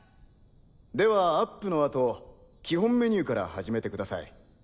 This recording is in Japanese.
ではアップのあと基本メニューから始めてください。